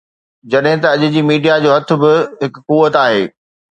جڏهن ته اڄ جي ميڊيا جو هٿ به هڪ قوت آهي